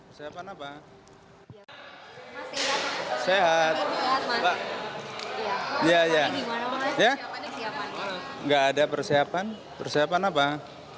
kira kira nanti memberikan saksian